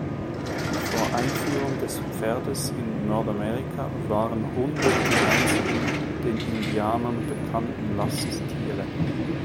Vor Einführung des Pferdes in Nordamerika waren Hunde die einzigen den Indianern bekannte Lasttiere.